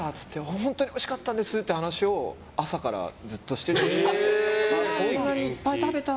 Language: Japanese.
本当においしかったんですっていう話を朝からずっとしてて。